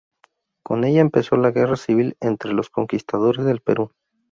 Con ella empezó la Guerra civil entre los conquistadores del Perú.